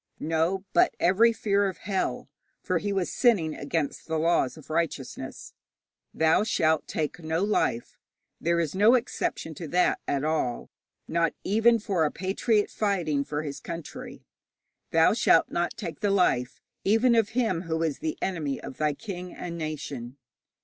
No, but every fear of hell, for he was sinning against the laws of righteousness 'Thou shalt take no life.' There is no exception to that at all, not even for a patriot fighting for his country. 'Thou shalt not take the life even of him who is the enemy of thy king and nation.'